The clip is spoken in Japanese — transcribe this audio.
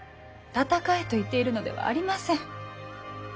戦えと言っているのではありません。